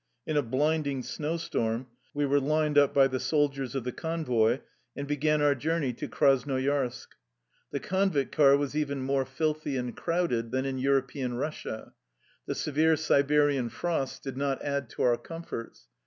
In a blinding snow storm we were lined up by the soldiers of the convoy, and began our journey to Krasnoyarsk. The convict car was even more filthy and crowded than in European Kussia. The severe Siberian frosts did not add to our comforts.